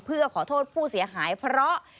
เพื่อขอโทษผู้เสียหายเพราะ